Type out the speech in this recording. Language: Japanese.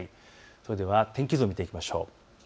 それでは天気図を見ていきましょう。